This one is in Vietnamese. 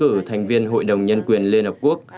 đã thể hiện các cơ chế nhân quyền của việt nam